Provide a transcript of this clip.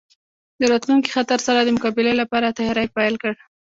د راتلونکي خطر سره د مقابلې لپاره تیاری پیل کړ.